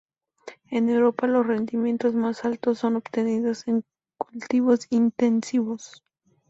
En Europa, los rendimientos más altos son obtenidos en cultivos intensivos.